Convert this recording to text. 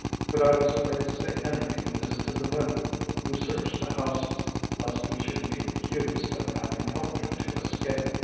But I was afraid to say anything of this to the women who searched the houses, lest we should be accused of having helped her to escape."